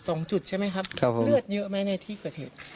สองจุดใช่ไหมครับครับเลือดเยอะไหมในที่เกิดเหตุ